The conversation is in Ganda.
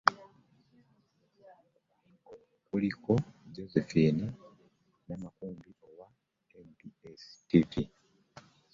Kuliko Josephine Namakumbi owa NBS TV